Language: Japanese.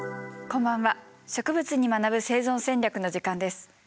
こんばんは「植物に学ぶ生存戦略」の時間です。